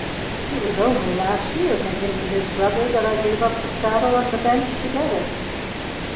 "It was only last year," continued his brother, "that I gave up the saddle and the bench together."